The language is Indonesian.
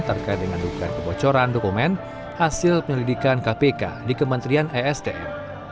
terkait dengan dugaan kebocoran dokumen hasil penyelidikan kpk di kementerian esdm